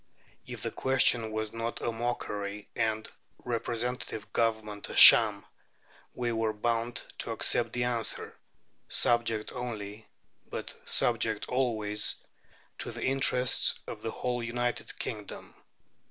If the question was not a mockery, and representative government a sham, we were bound to accept the answer, subject only, but subject always, to the interests of the whole United Kingdom.